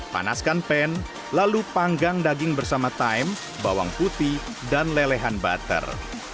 panaskan pan lalu panggang daging bersama time bawang putih dan lelehan butter